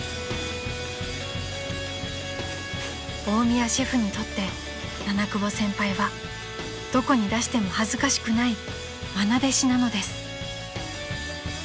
［大宮シェフにとって七久保先輩はどこに出しても恥ずかしくない愛弟子なのです］